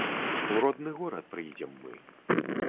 У родны горад прыйдзем мы.